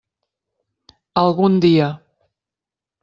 Algun dia.